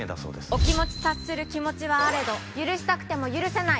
「お気持ち察する気持ちはあれど許したくても許せない！」